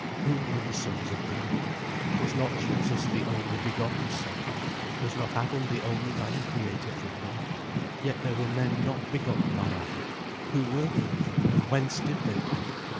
Who were the sons of God? Was not Jesus the only begotten Son? Was not Adam the only man created from God? Yet there were men not begotten by Adam. Who were these, and whence did they come?